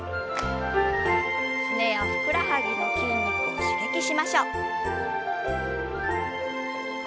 すねやふくらはぎの筋肉を刺激しましょう。